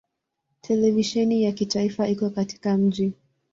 Televisheni ya kitaifa iko katika mji.